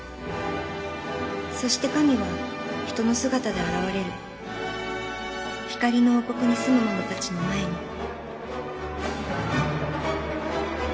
「そして神は人の姿で現れる」「光の王国に住むものたちの前に」